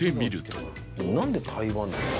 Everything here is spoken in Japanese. なんで台湾なんだ？